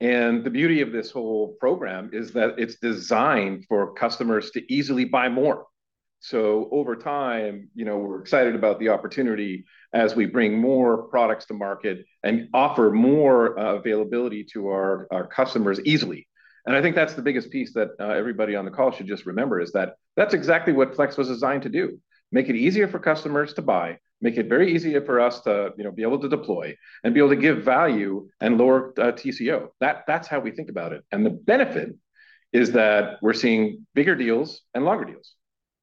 And the beauty of this whole program is that it's designed for customers to easily buy more. So over time, we're excited about the opportunity as we bring more products to market and offer more availability to our customers easily. And I think that's the biggest piece that everybody on the call should just remember is that that's exactly what Flex was designed to do. Make it easier for customers to buy, make it very easy for us to be able to deploy, and be able to give value and lower TCO. That's how we think about it. And the benefit is that we're seeing bigger deals and longer deals.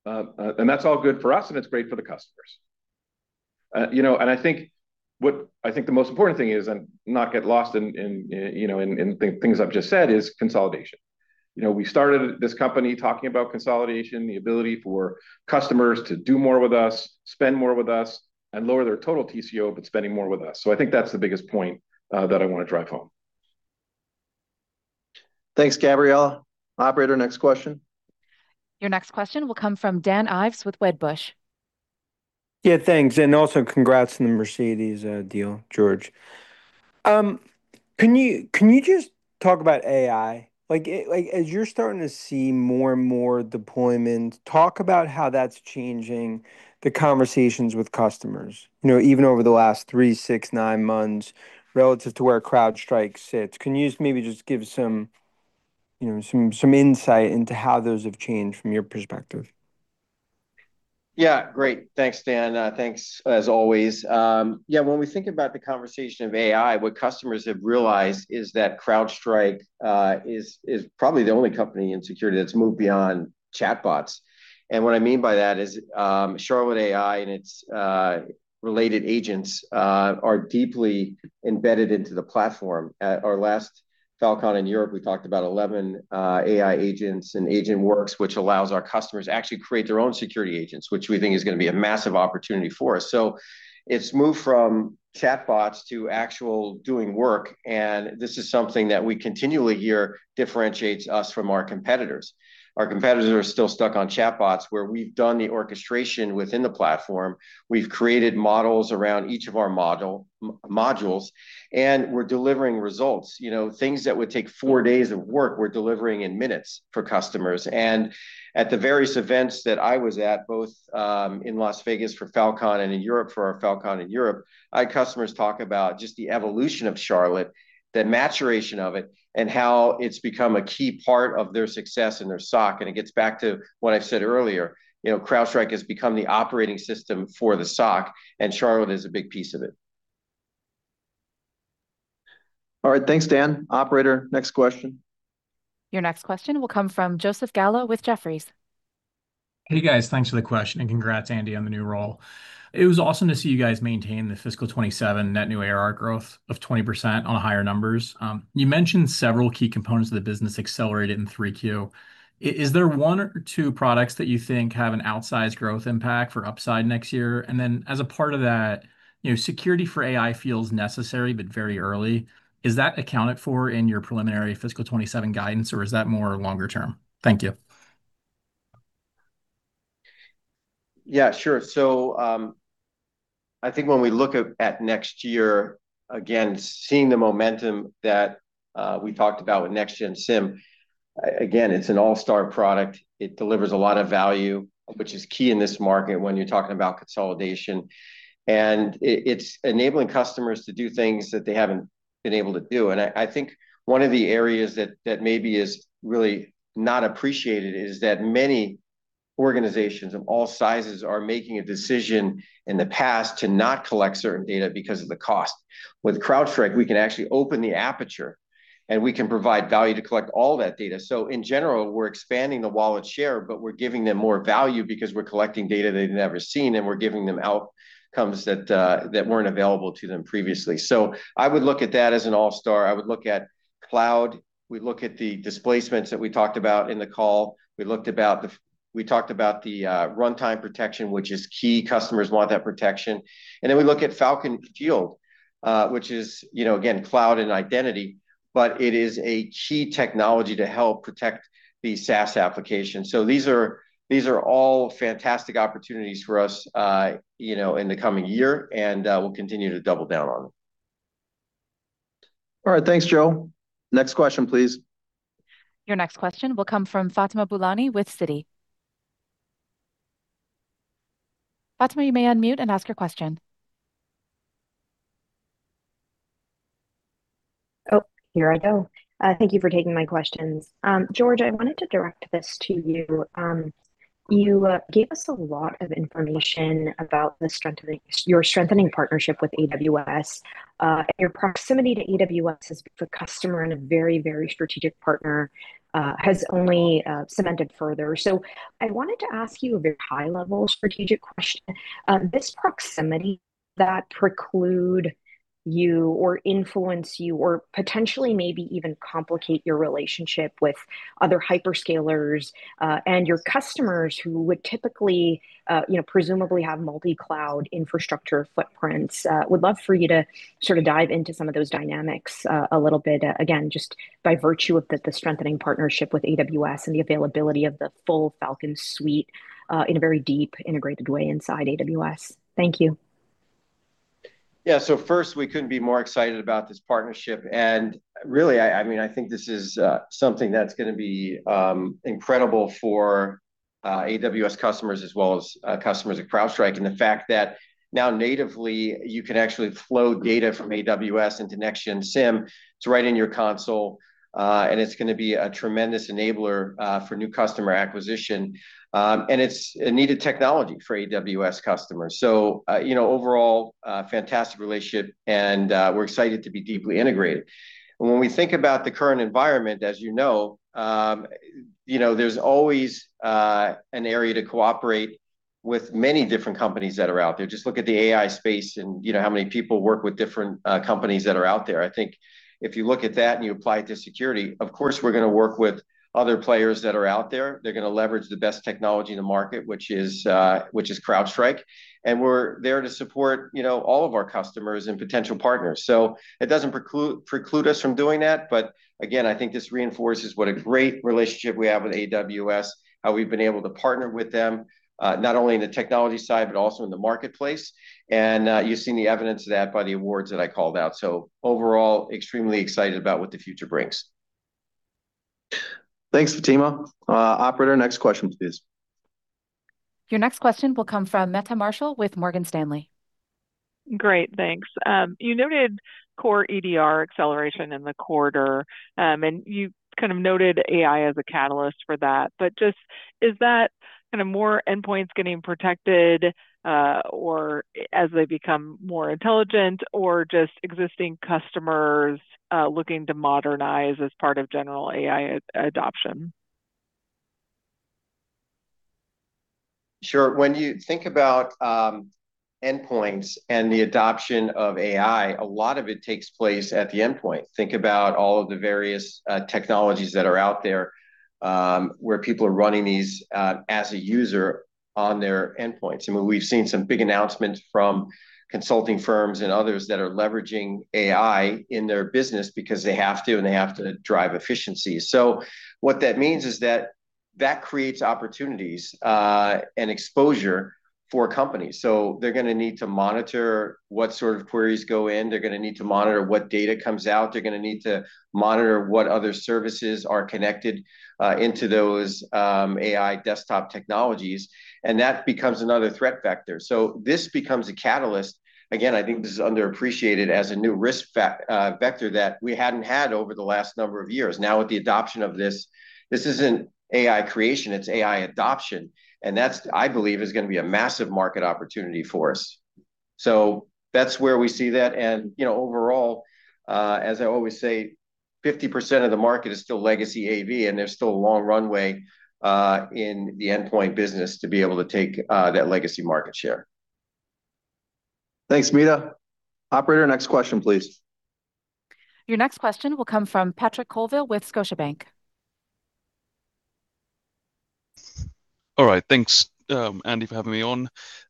And that's all good for us, and it's great for the customers. And I think what I think the most important thing is, and not get lost in things I've just said, is consolidation. We started this company talking about consolidation, the ability for customers to do more with us, spend more with us, and lower their total TCO, but spending more with us. So I think that's the biggest point that I want to drive home. Thanks, Gabriela. Operator, next question. Your next question will come from Dan Ives with Wedbush. Yeah, thanks. And also congrats on the Mercedes deal, George. Can you just talk about AI? As you're starting to see more and more deployment, talk about how that's changing the conversations with customers, even over the last three, six, nine months relative to where CrowdStrike sits. Can you just maybe just give some insight into how those have changed from your perspective? Yeah, great. Thanks, Dan. Thanks, as always. Yeah, when we think about the conversation of AI, what customers have realized is that CrowdStrike is probably the only company in security that's moved beyond chatbots. And what I mean by that is Charlotte AI and its related agents are deeply embedded into the platform. At our last Falcon in Europe, we talked about 11 AI agents and AgentWorks, which allows our customers to actually create their own security agents, which we think is going to be a massive opportunity for us. So it's moved from chatbots to actual doing work. And this is something that we continually hear differentiates us from our competitors. Our competitors are still stuck on chatbots where we've done the orchestration within the platform. We've created models around each of our modules, and we're delivering results. Things that would take four days of work, we're delivering in minutes for customers. And at the various events that I was at, both in Las Vegas for Falcon and in Europe for our Falcon in Europe, I had customers talk about just the evolution of Charlotte, the maturation of it, and how it's become a key part of their success and their SOC. It gets back to what I've said earlier. CrowdStrike has become the operating system for the SOC, and Charlotte is a big piece of it. All right, thanks, Dan. Operator, next question. Your next question will come from Joseph Gallo with Jefferies. Hey, guys, thanks for the question, and congrats, Andy, on the new role. It was awesome to see you guys maintain the fiscal 2027 net new ARR growth of 20% on higher numbers. You mentioned several key components of the business accelerated in 3Q. Is there one or two products that you think have an outsized growth impact for upside next year? And then as a part of that, security for AI feels necessary, but very early. Is that accounted for in your preliminary fiscal 2027 guidance, or is that more longer term? Thank you. Yeah, sure. So I think when we look at next year, again, seeing the momentum that we talked about with Next-Gen SIEM, again, it's an all-star product. It delivers a lot of value, which is key in this market when you're talking about consolidation. And it's enabling customers to do things that they haven't been able to do. And I think one of the areas that maybe is really not appreciated is that many organizations of all sizes are making a decision in the past to not collect certain data because of the cost. With CrowdStrike, we can actually open the aperture, and we can provide value to collect all that data. So in general, we're expanding the wallet share, but we're giving them more value because we're collecting data they've never seen, and we're giving them outcomes that weren't available to them previously. So I would look at that as an all-star. I would look at cloud. We look at the displacements that we talked about in the call. We talked about the runtime protection, which is key. Customers want that protection. And then we look at Falcon Shield, which is, again, cloud and identity, but it is a key technology to help protect the SaaS application. So these are all fantastic opportunities for us in the coming year, and we'll continue to double down on them. All right, thanks, Joe. Next question, please. Your next question will come from Fatima Boolani with Citi. Fatima, you may unmute and ask your question. Oh, here I go. Thank you for taking my questions. George, I wanted to direct this to you. You gave us a lot of information about your strengthening partnership with AWS. Your proximity to AWS as a customer and a very, very strategic partner has only cemented further. So I wanted to ask you a very high-level strategic question. This proximity that precludes you or influences you or potentially maybe even complicates your relationship with other hyperscalers and your customers who would typically, presumably, have multi-cloud infrastructure footprints would love for you to sort of dive into some of those dynamics a little bit, again, just by virtue of the strengthening partnership with AWS and the availability of the full Falcon suite in a very deep integrated way inside AWS. Thank you. Yeah, so first, we couldn't be more excited about this partnership, and really, I mean, I think this is something that's going to be incredible for AWS customers as well as customers at CrowdStrike. And the fact that now natively, you can actually flow data from AWS into Next-Gen SIEM. It's right in your console, and it's going to be a tremendous enabler for new customer acquisition. And it's a needed technology for AWS customers. So overall, fantastic relationship, and we're excited to be deeply integrated. And when we think about the current environment, as you know, there's always an area to cooperate with many different companies that are out there. Just look at the AI space and how many people work with different companies that are out there. I think if you look at that and you apply it to security, of course, we're going to work with other players that are out there. They're going to leverage the best technology in the market, which is CrowdStrike. And we're there to support all of our customers and potential partners. So it doesn't preclude us from doing that. But again, I think this reinforces what a great relationship we have with AWS, how we've been able to partner with them, not only in the technology side, but also in the marketplace. And you've seen the evidence of that by the awards that I called out. So overall, extremely excited about what the future brings. Thanks, Fatima. Operator, next question, please. Your next question will come from Matthew Metal with Morgan Stanley. Great, thanks. You noted core EDR acceleration in the quarter, and you kind of noted AI as a catalyst for that. But just, is that kind of more endpoints getting protected as they become more intelligent, or just existing customers looking to modernize as part of general AI adoption? Sure. When you think about endpoints and the adoption of AI, a lot of it takes place at the endpoint. Think about all of the various technologies that are out there where people are running these as a user on their endpoints. I mean, we've seen some big announcements from consulting firms and others that are leveraging AI in their business because they have to, and they have to drive efficiency. So what that means is that that creates opportunities and exposure for companies. So they're going to need to monitor what sort of queries go in. They're going to need to monitor what data comes out. They're going to need to monitor what other services are connected into those AI desktop technologies. And that becomes another threat factor. So this becomes a catalyst. Again, I think this is underappreciated as a new risk factor that we hadn't had over the last number of years. Now, with the adoption of this, this isn't AI creation. It's AI adoption. And that's, I believe, is going to be a massive market opportunity for us. So that's where we see that. And overall, as I always say, 50% of the market is still legacy AV, and there's still a long runway in the endpoint business to be able to take that legacy market share. Thanks, Meta. Operator, next question, please. Your next question will come from Patrick Colville with Scotiabank. All right, thanks, Andy, for having me on.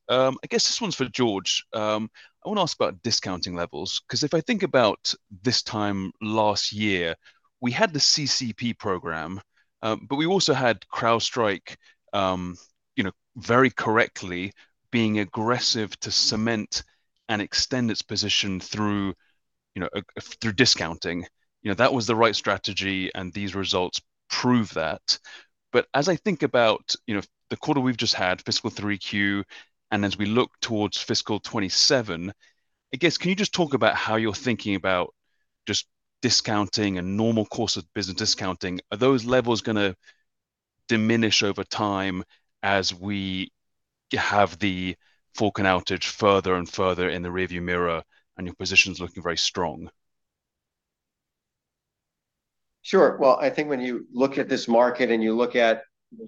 I guess this one's for George. I want to ask about discounting levels. Because if I think about this time last year, we had the CCP program, but we also had CrowdStrike very correctly being aggressive to cement and extend its position through discounting. That was the right strategy, and these results prove that. But as I think about the quarter we've just had, fiscal 3Q, and as we look towards fiscal 2027, I guess, can you just talk about how you're thinking about just discounting and normal course of business discounting? Are those levels going to diminish over time as we have the Falcon outage further and further in the rearview mirror, and your position's looking very strong? Sure. Well, I think when you look at this market and you look at,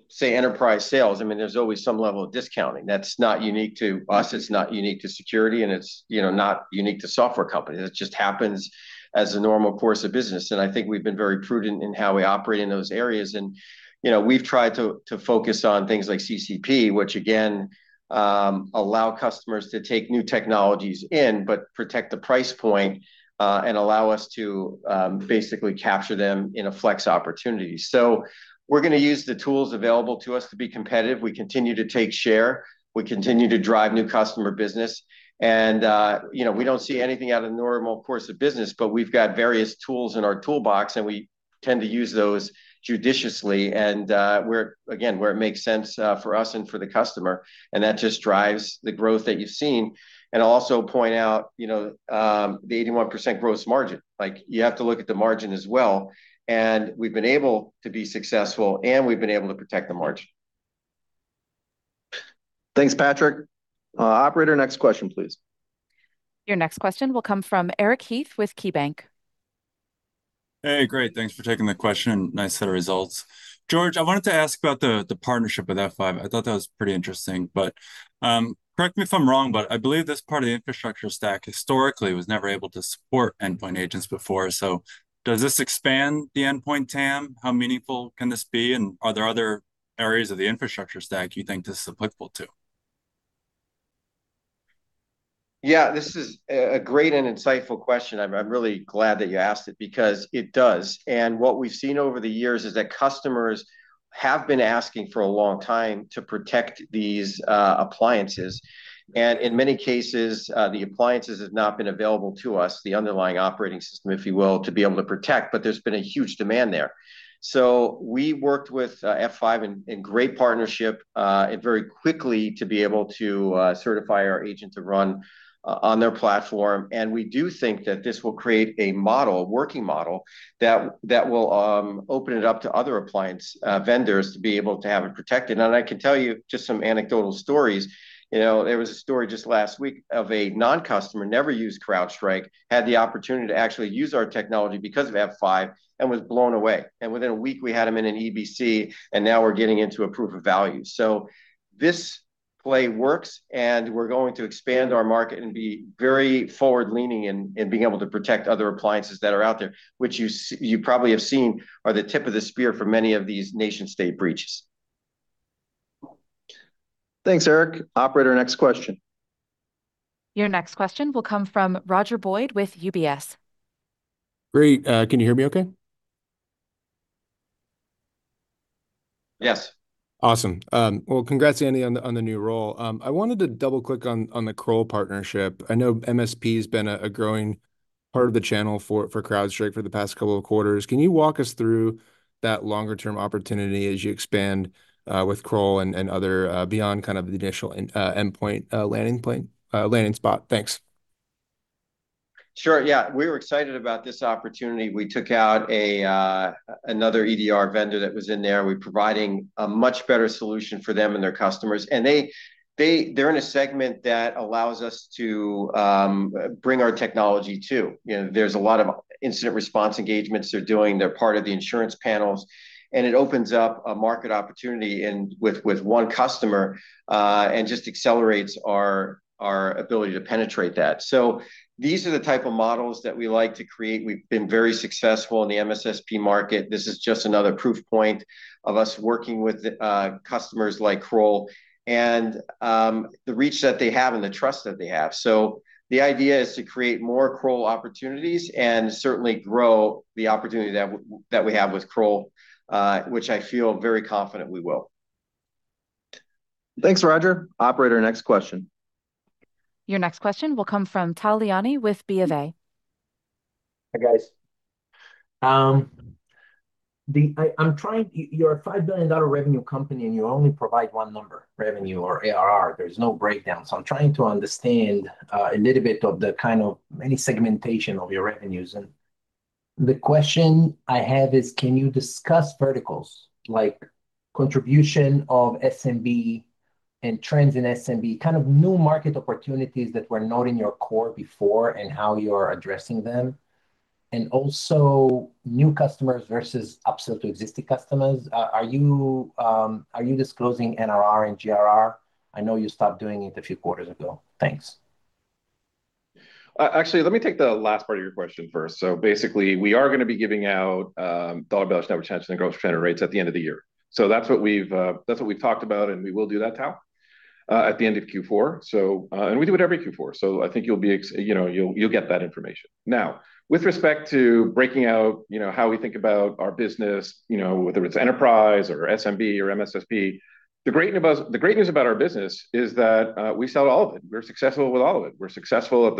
say, enterprise sales, I mean, there's always some level of discounting. That's not unique to us. It's not unique to security, and it's not unique to software companies. It just happens as a normal course of business. And I think we've been very prudent in how we operate in those areas. And we've tried to focus on things like CCP, which, again, allow customers to take new technologies in, but protect the price point and allow us to basically capture them in a flex opportunity. So we're going to use the tools available to us to be competitive. We continue to take share. We continue to drive new customer business. And we don't see anything out of the normal course of business, but we've got various tools in our toolbox, and we tend to use those judiciously and, again, where it makes sense for us and for the customer. And that just drives the growth that you've seen. And I'll also point out the 81% gross margin. You have to look at the margin as well. And we've been able to be successful, and we've been able to protect the margin. Thanks, Patrick. Operator, next question, please. Your next question will come from Eric Heath with KeyBanc. Hey, great. Thanks for taking the question. Nice set of results. George, I wanted to ask about the partnership with F5. I thought that was pretty interesting. But correct me if I'm wrong, but I believe this part of the infrastructure stack historically was never able to support endpoint agents before. So does this expand the endpoint TAM? How meaningful can this be? And are there other areas of the infrastructure stack you think this is applicable to? Yeah, this is a great and insightful question. I'm really glad that you asked it because it does. And what we've seen over the years is that customers have been asking for a long time to protect these appliances. In many cases, the appliances have not been available to us, the underlying operating system, if you will, to be able to protect, but there's been a huge demand there. We worked with F5 in great partnership and very quickly to be able to certify our agents to run on their platform. We do think that this will create a working model that will open it up to other appliance vendors to be able to have it protected. I can tell you just some anecdotal stories. There was a story just last week of a non-customer who never used CrowdStrike, had the opportunity to actually use our technology because of F5, and was blown away. Within a week, we had him in an EBC, and now we're getting into a proof of value. So this play works, and we're going to expand our market and be very forward-leaning in being able to protect other appliances that are out there, which you probably have seen are the tip of the spear for many of these nation-state breaches. Thanks, Eric. Operator, next question. Your next question will come from Roger Boyd with UBS. Great. Can you hear me okay? Yes. Awesome. Well, congrats, Andy, on the new role. I wanted to double-click on the Kroll partnership. I know MSP has been a growing part of the channel for CrowdStrike for the past couple of quarters. Can you walk us through that longer-term opportunity as you expand with Kroll and other beyond kind of the initial endpoint landing spot? Thanks. Sure. Yeah. We were excited about this opportunity. We took out another EDR vendor that was in there. We're providing a much better solution for them and their customers. And they're in a segment that allows us to bring our technology too. There's a lot of incident response engagements they're doing. They're part of the insurance panels. And it opens up a market opportunity with one customer and just accelerates our ability to penetrate that. So these are the type of models that we like to create. We've been very successful in the MSSP market. This is just another proof point of us working with customers like Kroll and the reach that they have and the trust that they have. So the idea is to create more Kroll opportunities and certainly grow the opportunity that we have with Kroll, which I feel very confident we will. Thanks, Roger. Operator, next question. Your next question will come from Tal Liani with B of A. Hi, guys. You're a $5 billion revenue company, and you only provide one number, revenue or ARR. There's no breakdown. So I'm trying to understand a little bit of the kind of any segmentation of your revenues. And the question I have is, can you discuss verticals like contribution of SMB and trends in SMB, kind of new market opportunities that were not in your core before and how you're addressing them, and also new customers versus upsell to existing customers? Are you disclosing NRR and GRR? I know you stopped doing it a few quarters ago. Thanks. Actually, let me take the last part of your question first. So basically, we are going to be giving out dollar-based net retention and gross retention rates at the end of the year. So that's what we've talked about, and we will do that at the end of Q4. We do it every Q4. So I think you'll get that information. Now, with respect to breaking out how we think about our business, whether it's enterprise or SMB or MSSP, the great news about our business is that we sell all of it. We're successful with all of it. We're successful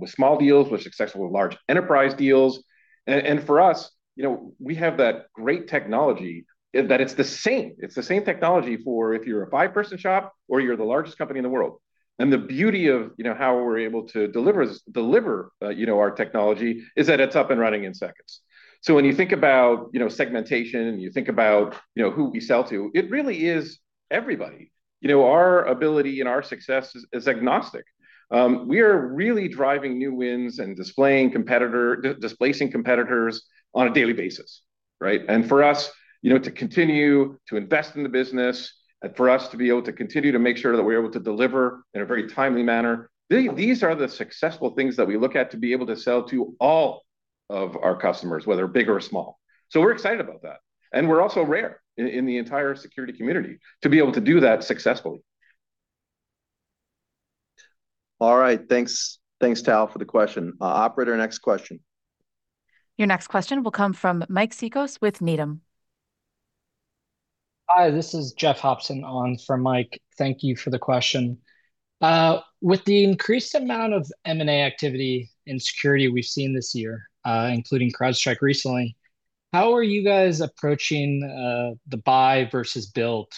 with small deals. We're successful with large enterprise deals. And for us, we have that great technology that it's the same. It's the same technology for if you're a five-person shop or you're the largest company in the world. And the beauty of how we're able to deliver our technology is that it's up and running in seconds. So when you think about segmentation, you think about who we sell to, it really is everybody. Our ability and our success is agnostic. We are really driving new wins and displacing competitors on a daily basis. And for us to continue to invest in the business, for us to be able to continue to make sure that we're able to deliver in a very timely manner, these are the successful things that we look at to be able to sell to all of our customers, whether big or small. So we're excited about that. And we're also rare in the entire security community to be able to do that successfully. All right. Thanks, Tal, for the question. Operator, next question. Your next question will come from Mike Cikos with Needham. Hi, this is Jeff Hobson on for Mike. Thank you for the question. With the increased amount of M&A activity and security we've seen this year, including CrowdStrike recently, how are you guys approaching the buy versus build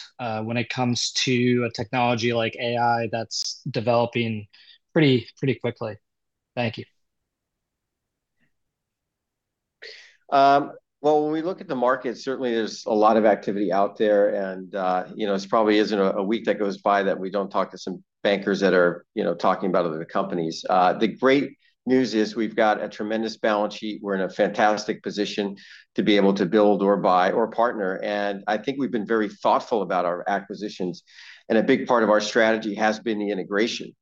when it comes to a technology like AI that's developing pretty quickly? Thank you. When we look at the market, certainly there's a lot of activity out there. It probably isn't a week that goes by that we don't talk to some bankers that are talking about other companies. The great news is we've got a tremendous balance sheet. We're in a fantastic position to be able to build or buy or partner. I think we've been very thoughtful about our acquisitions. A big part of our strategy has been the integration.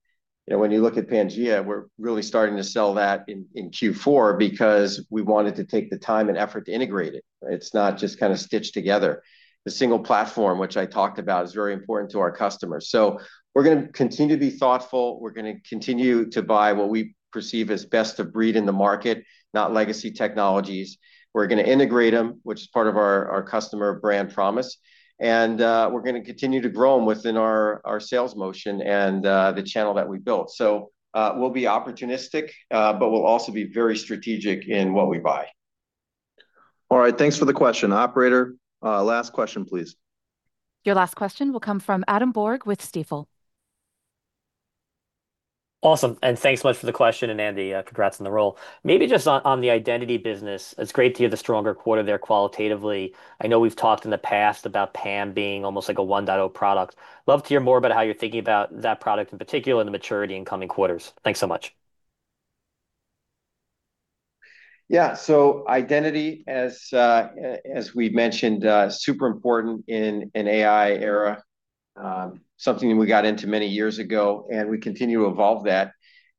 When you look at Pangea, we're really starting to sell that in Q4 because we wanted to take the time and effort to integrate it. It's not just kind of stitched together. The single platform, which I talked about, is very important to our customers. We're going to continue to be thoughtful. We're going to continue to buy what we perceive as best-of-breed in the market, not legacy technologies. We're going to integrate them, which is part of our customer brand promise. And we're going to continue to grow them within our sales motion and the channel that we built. So we'll be opportunistic, but we'll also be very strategic in what we buy. All right. Thanks for the question. Operator, last question, please. Your last question will come from Adam Borg with Stifel. Awesome. And thanks so much for the question, and Andy, congrats on the role. Maybe just on the identity business, it's great to hear the stronger quarter there qualitatively. I know we've talked in the past about PAM being almost like a 1.0 product. Love to hear more about how you're thinking about that product in particular and the maturity in coming quarters. Thanks so much. Yeah. So identity, as we mentioned, is super important in an AI era, something we got into many years ago, and we continue to evolve that.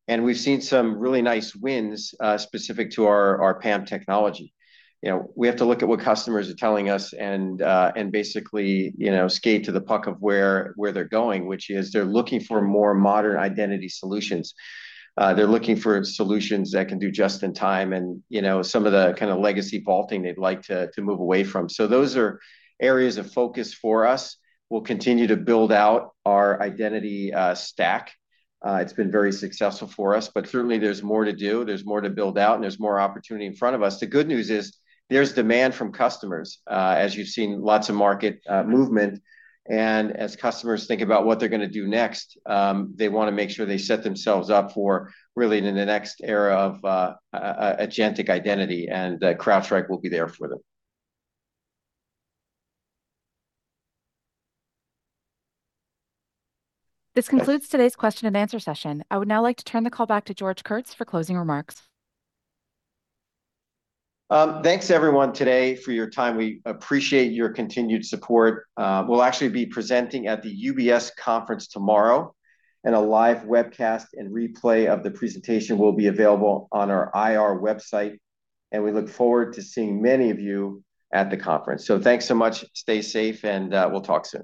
And we've seen some really nice wins specific to our PAM technology. We have to look at what customers are telling us and basically skate to the puck of where they're going, which is they're looking for more modern identity solutions. They're looking for solutions that can do just in time and some of the kind of legacy vaulting they'd like to move away from. So those are areas of focus for us. We'll continue to build out our identity stack. It's been very successful for us, but certainly there's more to do. There's more to build out, and there's more opportunity in front of us. The good news is there's demand from customers, as you've seen lots of market movement. And as customers think about what they're going to do next, they want to make sure they set themselves up for really in the next era of agentic identity, and CrowdStrike will be there for them. This concludes today's question and answer session. I would now like to turn the call back to George Kurtz for closing remarks. Thanks, everyone, today for your time. We appreciate your continued support. We'll actually be presenting at the UBS conference tomorrow. And a live webcast and replay of the presentation will be available on our IR website. And we look forward to seeing many of you at the conference. So thanks so much. Stay safe, and we'll talk soon.